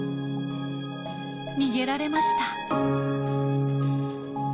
逃げられました。